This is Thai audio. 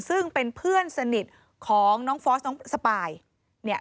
ซึ่งเป็นเพื่อนสนิทของน้องฟอสน้องสปายเนี่ย